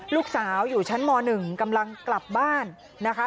ลูกสาวอยู่ชั้นม๑กำลังกลับบ้านนะคะ